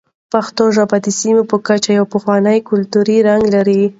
پښتو ژبه د سیمې په کچه یو پخوانی کلتوري رنګ لري.